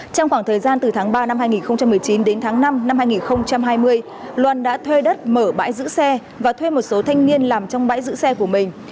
trong khoảng thời gian từ tháng ba năm hai nghìn một mươi chín đến tháng năm năm hai nghìn hai mươi loan đã thuê đất mở bãi giữ xe và thuê một số thanh niên làm trong bãi giữ xe của mình